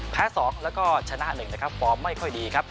๒แล้วก็ชนะ๑นะครับฟอร์มไม่ค่อยดีครับ